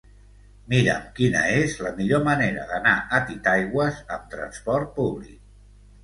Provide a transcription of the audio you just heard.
Mira'm quina és la millor manera d'anar a Titaigües amb transport públic.